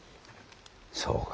そうか。